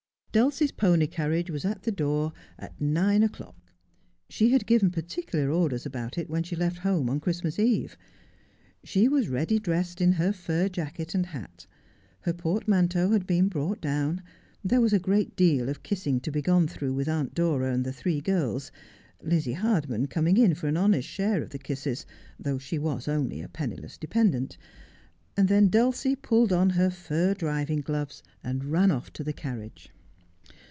Dulcie's pony carriage was at the door at nine o'clock. She Jiad given particular orders about it when she left home on Christmas Eve. She was ready dressed in her fur jacket and hat. Her portmanteau had been brought down. There was a great deal of kissing to be gone through with Aunt Dora and the three girls, Lizzie Hardman coming in for an honest share of the kisses, though she was only a penniless dependant ; and then Dulcie pulled on her fur driving gloves, and ran off to the carriage.